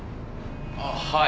ああはい。